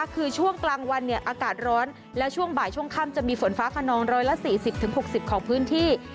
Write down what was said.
คือช่วงกลางวันอากาศร้อนและช่วงบ่ายช่วงค่ำจะมีฝนฟ้าขนอง๑๔๐๖๐ของพื้นที่